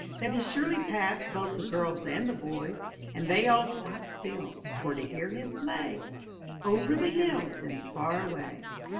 That he surely pleased both the girls and the boys, And they all stopped still, for to hear him play, '*Over the hills and far away.'